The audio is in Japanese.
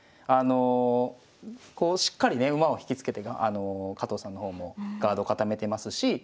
あのこうしっかりね馬を引き付けて加藤さんの方もガード固めてますし。